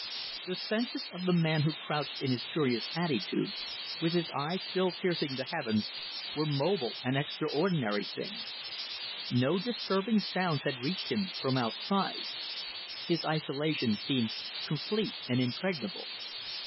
The senses of the man who crouched in his curious attitude, with his eyes still piercing the heavens, were mobile and extraordinary things. No disturbing sounds had reached him from outside. His isolation seemed complete and impregnable.